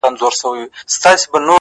اوس دادی ـ